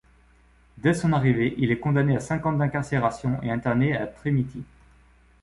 Dès son arrivée, il est condamné à cinq ans d’incarcération et interné à Tremiti.